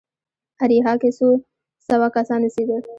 اریحا کې څو سوه کسان اوسېدل.